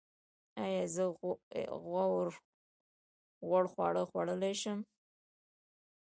ایا زه غوړ خواړه خوړلی شم؟